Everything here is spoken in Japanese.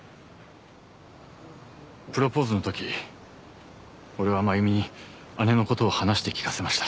プロポーズのとき俺は真弓に姉のことを話して聞かせました。